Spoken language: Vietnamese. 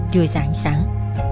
thừa giãn sáng